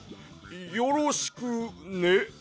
よろしくね。